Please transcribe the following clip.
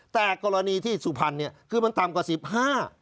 แต่กรณีที่สุพรรณเนี่ยคือมันต่ำกว่าสิบห้า